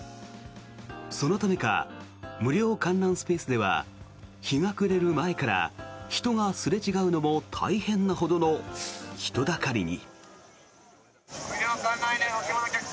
そのためか無料観覧スペースでは日が暮れる前から人がすれ違うのも大変なほどの人だかりに。